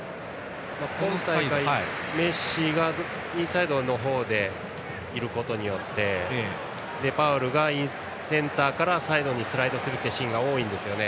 今大会メッシがインサイドにいることでデパウルがセンターからサイドにスライドするシーンが多いんですよね。